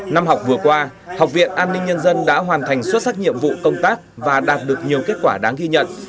năm học vừa qua học viện an ninh nhân dân đã hoàn thành xuất sắc nhiệm vụ công tác và đạt được nhiều kết quả đáng ghi nhận